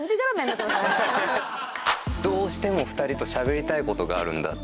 どうしても２人としゃべりたい事があるんだって。